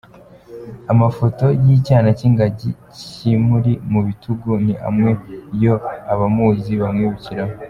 Amafoto y’icyana cy’ingagi kimuri mu bitugu, ni amwe mu yo abamuzi bamwibukiraho.